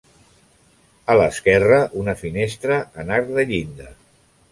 A l'esquerra, una finestra en arc de llinda.